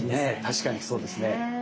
確かにそうですね。